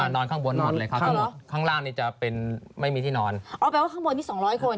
นอนข้างบนหมดเลยครับทั้งหมดข้างล่างนี่จะเป็นไม่มีที่นอนอ๋อแปลว่าข้างบนนี้สองร้อยคน